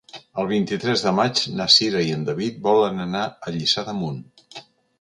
El vint-i-tres de maig na Cira i en David volen anar a Lliçà d'Amunt.